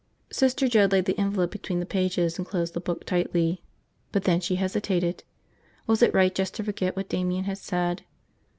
Sister Joe laid the envelope between the pages and closed the book tightly. But then she hesitated. Was it right just to forget what Damian had said?